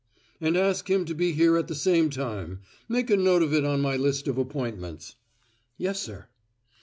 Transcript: "And ask him to be here at the same time. Make a note of it on my list of appointments." "Yes, sir."